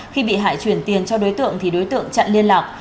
khi bị hại chuyển tiền cho đối tượng thì đối tượng chặn liên lạc